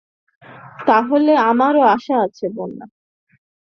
তা হলে আমারও আশা আছে বন্যা।